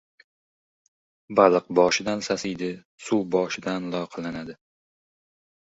• Baliq boshidan sasiydi, suv boshidan loyqalanadi.